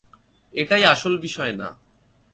এটাই আসল বিষয় না।